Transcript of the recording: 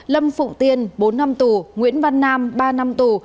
lâm phụng tiên bốn năm tù nguyễn văn nam ba năm tù